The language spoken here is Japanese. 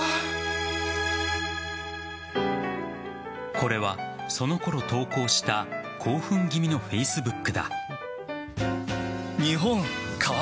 これはそのころ投稿した興奮気味のＦａｃｅｂｏｏｋだ。